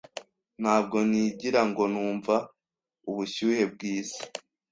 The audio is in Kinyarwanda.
Ntabwo nigira ngo numva ubushyuhe bwisi.